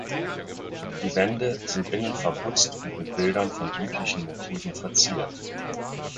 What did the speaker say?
Die Wände sind innen verputzt und mit Bildern von biblischen Motiven verziert.